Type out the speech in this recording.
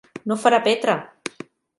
No farà Petra!